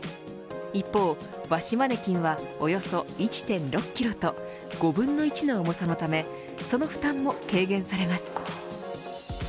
一方、和紙マネキンはおよそ１．６キロと５分の１の重さのためその負担も軽減されます。